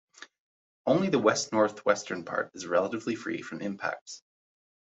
Only the west-northwestern part is relatively free from impacts.